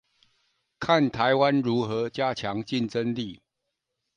看台灣如何加強競爭力